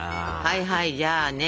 はいはいじゃあね